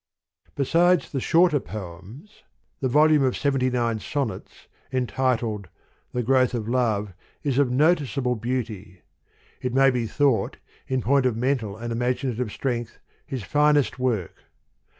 Besides the Shorter Foems, the volume of seventy nine sonnets, entitled The Growth of Love, is of noticeable beauty : it may be thought, in point of mental and imagin ative strength, his finest work.